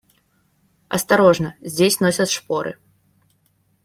Осторожно, здесь носят шпоры.